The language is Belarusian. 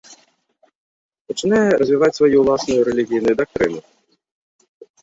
Пачынае развіваць сваю ўласную рэлігійную дактрыну.